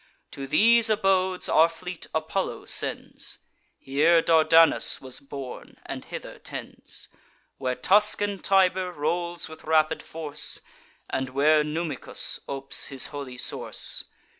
To these abodes our fleet Apollo sends; Here Dardanus was born, and hither tends; Where Tuscan Tiber rolls with rapid force, And where Numicus opes his holy source.